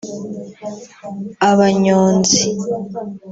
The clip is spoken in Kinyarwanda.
Abanyonzi